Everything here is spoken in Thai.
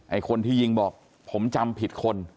คนที่ยิงบอกผมจำผิดคน